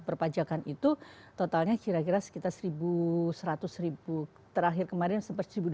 perpajakan itu totalnya kira kira sekitar rp satu seratus terakhir kemarin rp satu dua ratus